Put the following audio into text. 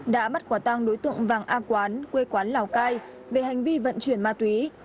đã bắt quả tang đối tượng vàng a quán quê quán lào cai về hành vi vận chuyển ma túy